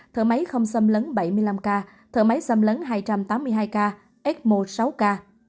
thợ máy không xâm lấn bảy mươi năm ca thợ máy xâm lấn hai trăm tám mươi hai ca ecmo sáu ca